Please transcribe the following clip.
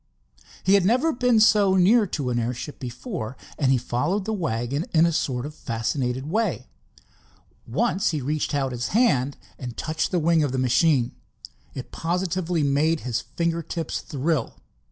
He had never been so near to an airship before, and he followed the wagon in a sort of fascinated way. Once he reached out his hand and touched one wing of the machine. It positively made his finger tips thrill.